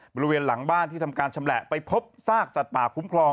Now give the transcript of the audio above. บริเวณหลังบ้านที่ทำการชำแหละไปพบซากสัตว์ป่าคุ้มครอง